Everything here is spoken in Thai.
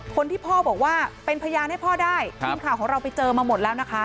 คนที่พ่อบอกว่าเป็นพยานให้พ่อได้ทีมข่าวของเราไปเจอมาหมดแล้วนะคะ